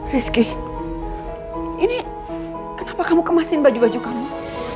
rizky ini kenapa kamu kemasin baju baju kamu